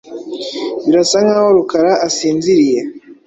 Birasa nkaho Rukara asinziriye.